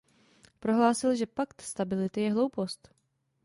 Prohlásil, že Pakt stability je hloupost.